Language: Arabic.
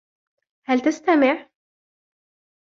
هل تستمع؟